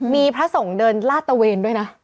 มีพระสงฆ์เดินลาดตะเวนด้วยนะ